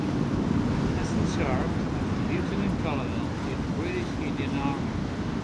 Hassan served as the lieutenant Colonel in the British Indian Army.